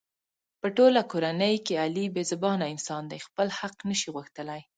په ټوله کورنۍ کې علي بې زبانه انسان دی. خپل حق نشي غوښتلی.